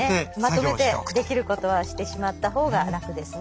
まとめてできることはしてしまった方が楽ですね。